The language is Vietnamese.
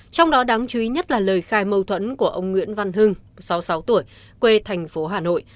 trong đó đáng chú ý nhất là lời khai mâu thuẫn của ông nguyễn văn hưng sáu mươi sáu tuổi quê thành phố hà nội